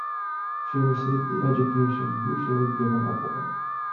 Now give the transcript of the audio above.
She received the education usually given a boy.